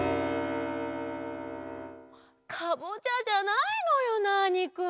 カボチャじゃないのよナーニくん！